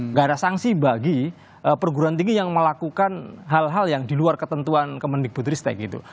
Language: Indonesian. nggak ada sanksi bagi perguruan tinggi yang melakukan hal hal yang di luar ketentuan kemendikbudristek gitu